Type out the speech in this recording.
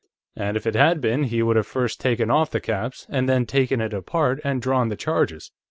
And if it had been, he would have first taken off the caps, and then taken it apart and drawn the charges.